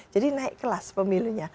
jadi naik kelas pemilunya